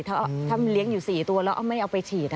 ถ้ามันเลี้ยงอยู่๔ตัวแล้วไม่เอาไปฉีด